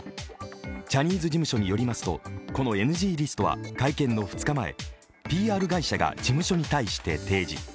ジャニーズ事務所によりますとこのＮＧリストはこの会見の２日前ＰＲ会社が事務所に対して提示。